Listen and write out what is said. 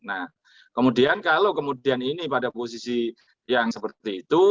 nah kemudian kalau kemudian ini pada posisi yang seperti itu